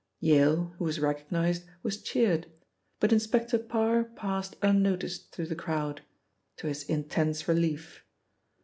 Yale, who was recognised, was cheered, but Inspector Parr passed unnoticed through the crowd to his intense relief.